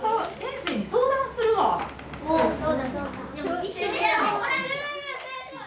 そうだそうだ！